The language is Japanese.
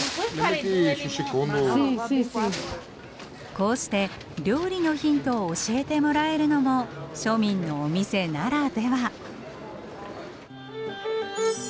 こうして料理のヒントを教えてもらえるのも庶民のお店ならでは。